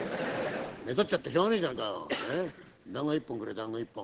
「目立っちゃってしょうがねえじゃないか団子１本くれ団子１本！